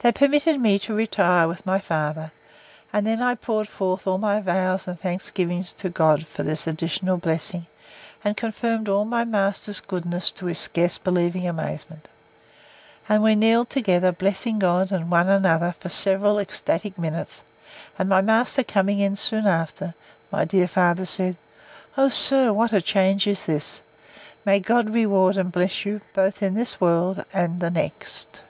They permitted me to retire with my father; and then I poured forth all my vows and thanksgivings to God for this additional blessing; and confirmed all my master's goodness to his scarce believing amazement. And we kneeled together, blessing God, and one another, for several ecstatic minutes and my master coming in soon after, my dear father said, O sir, what a change is this! May, God reward and bless you, both in this world and the next!